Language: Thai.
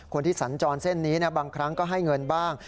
คนที่สัญจรเส้นนี้บางครั้งก็ให้เงินบ้าง